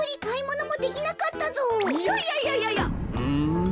うん。